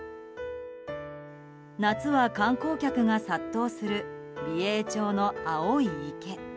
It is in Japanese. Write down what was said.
夏は観光客が殺到する美瑛町の青い池。